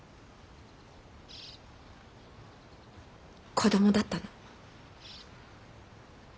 子どもだったの。